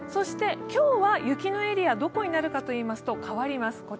今日は雪のエリア、どこになるかといいますと、変わります。